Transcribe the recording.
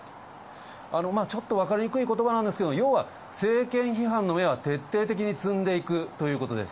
ちょっと分かりにくいことばなんですけれども、要は、政権批判の芽は徹底的に摘んでいくということです。